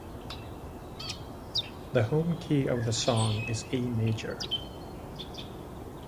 The home key of the song is A-major.